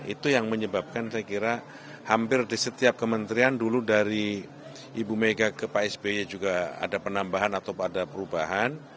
itu yang menyebabkan saya kira hampir di setiap kementerian dulu dari ibu mega ke pak sby juga ada penambahan atau pada perubahan